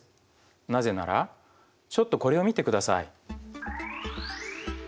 なぜならちょっとこれを見てください。